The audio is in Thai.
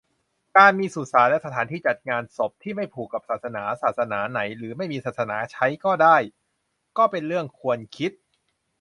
การมีสุสานและสถานที่จัดงานศพ ที่ไม่ผูกกับศาสนา ศาสนาไหนหรือไม่มีศาสนาใช้ก็ได้ ก็เป็นเรื่องควรคิด